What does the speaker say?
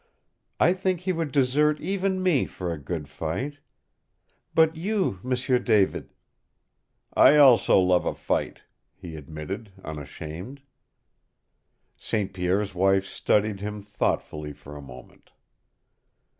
I think he would desert even me for a good fight. But you, M'sieu David " "I also love a fight," he admitted, unashamed. St. Pierre's wife studied him thoughtfully for a moment.